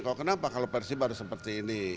kalau kenapa kalau persib harus seperti ini